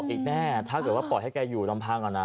อีกแน่ถ้าเกิดว่าปล่อยให้แกอยู่ลำพังอะนะ